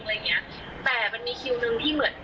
ซึ่งมันก็เป็นจุดที่สำคัญอยู่เรื่องเหมือนกัน